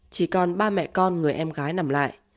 chỉ còn ba mẹ con người em gái nằm lại